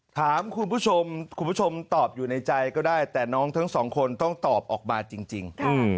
ถามคุณผู้ชมคุณผู้ชมตอบอยู่ในใจก็ได้แต่น้องทั้งสองคนต้องตอบออกมาจริง